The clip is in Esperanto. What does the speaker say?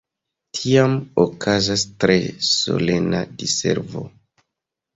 Tiam okazas tre solena Diservo.